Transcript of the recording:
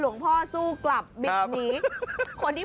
หลวงพ่อสู้กลับบิด